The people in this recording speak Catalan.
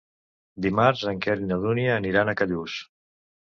Dimarts en Quer i na Dúnia aniran a Callús.